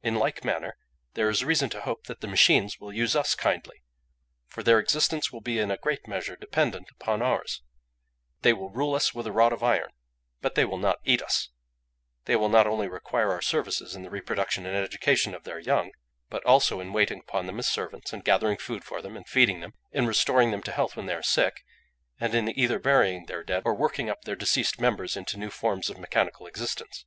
In like manner there is reason to hope that the machines will use us kindly, for their existence will be in a great measure dependent upon ours; they will rule us with a rod of iron, but they will not eat us; they will not only require our services in the reproduction and education of their young, but also in waiting upon them as servants; in gathering food for them, and feeding them; in restoring them to health when they are sick; and in either burying their dead or working up their deceased members into new forms of mechanical existence.